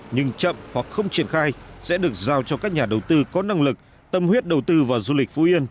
nhưng chậm hoặc không triển khai sẽ được giao cho các nhà đầu tư có năng lực tâm huyết đầu tư vào du lịch phú yên